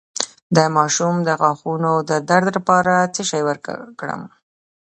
د ماشوم د غاښونو د درد لپاره څه شی ورکړم؟